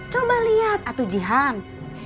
coba lihat atu jihan